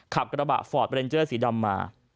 ขับกระบะฟอร์ดเรนเจอร์สีดำมา